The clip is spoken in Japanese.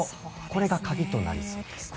これが鍵となりそうですね。